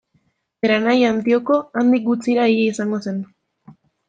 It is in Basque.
Bere anaia Antioko, handik gutxira hila izango zen.